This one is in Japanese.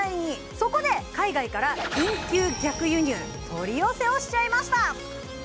そこで海外から緊急逆輸入、取り寄せをしちゃいました。